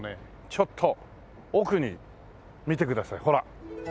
ちょっと奥に見てくださいほら。